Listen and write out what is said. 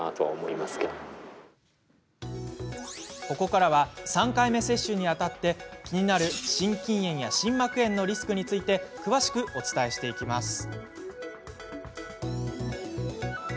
ここからは３回目接種にあたって気になる心筋炎や心膜炎のリスクについて詳しくお伝えしていきます。